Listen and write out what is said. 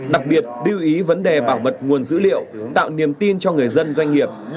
đặc biệt lưu ý vấn đề bảo mật nguồn dữ liệu tạo niềm tin cho người dân doanh nghiệp